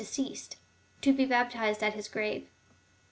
35 deceased — to be baptized at his grave.